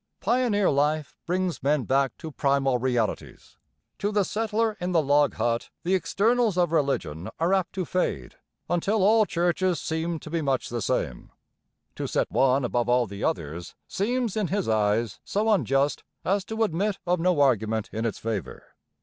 Pioneer life brings men back to primal realities. To the settler in the log hut the externals of religion are apt to fade until all churches seem to be much the same: to set one above all the others seems in his eyes so unjust as to admit of no argument in its favour.